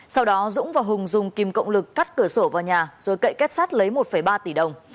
sau đó dũng và hùng dùng kim cộng lực cắt cửa sổ vào nhà rồi cậy kết sát lấy một ba tỷ đồng